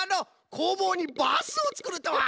こうぼうにバスをつくるとは！